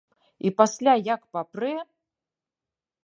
І пасля як папрэ!